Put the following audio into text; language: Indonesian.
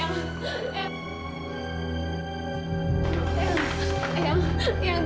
ayah tunggu ayah